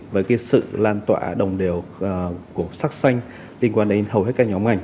với sự lan tỏa đồng đều của sắc xanh liên quan đến hầu hết các nhóm ngành